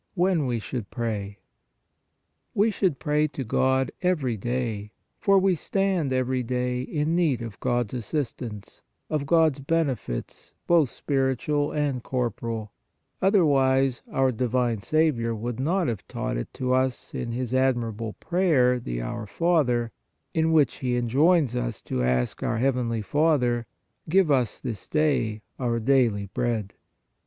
WHEN WE SHOULD PRAY We should pray to God every day, for we stand every day in need of God s assistance, of God s benefits both spiritual and corporal, otherwise our divine Saviour would not have taught it to us in His admirable prayer, the Our Father, in which He enjoins us to ask our Heavenly Father :" Give us this day our daily bread."